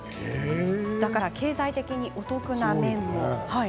だから経済的に、お得な面も。